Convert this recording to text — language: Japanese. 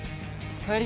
帰り